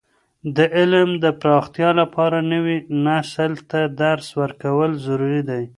د علم د پراختیا لپاره، نوي نسل ته درس ورکول ضروري دي.